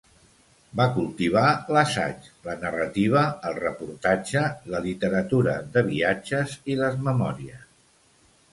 Va cultivar l'assaig, la narrativa, el reportatge, la literatura de viatges i les memòries.